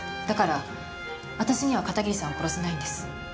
だから私には片桐さんを殺せないんです。